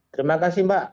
terima kasih mbak